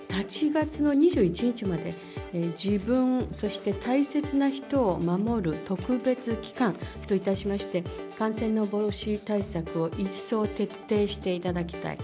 ８月の２１日まで、自分、そして大切な人を守る特別期間といたしまして、感染の防止対策を一層徹底していただきたい。